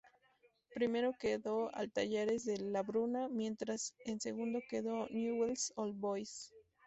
Primero quedó el Talleres de Labruna, mientras que segundo quedó Newell's Old Boys.